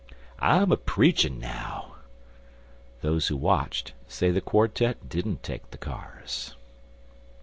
I'm preachin' now." Those who watched say the quartet didn't take the cars.